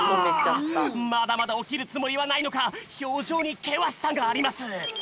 まだまだおきるつもりはないのかひょうじょうにけわしさがあります。